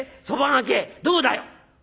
そば賭けどうだよ？」。